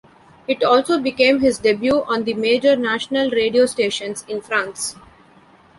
It also became his debut on the major national radio stations in France.